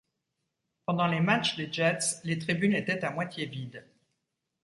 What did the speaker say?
Pendant les matchs des Jets, les tribunes étaient à moitié vides.